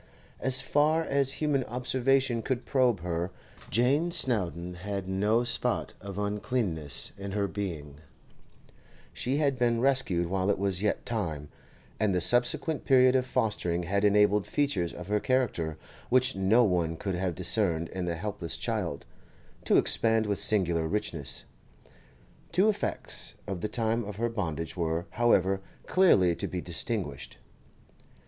As far as human observation could probe her, Jane Snowdon had no spot of uncleanness in her being; she had been rescued while it was yet time, and the subsequent period of fostering had enabled features of her character, which no one could have discerned in the helpless child, to expand with singular richness. Two effects of the time of her bondage were, however, clearly to be distinguished.